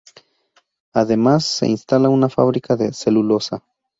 Además se instala una fábrica de celulosa.